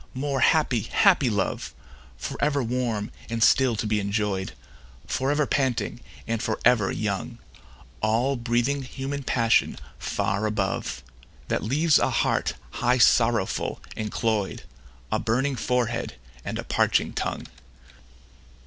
more happy, happy love! For ever warm and still to be enjoy'd, For ever panting, and for ever young; All breathing human passion far above, That leaves a heart high sorrowful and cloy'd, A burning forehead, and a parching tongue.